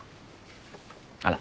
あら。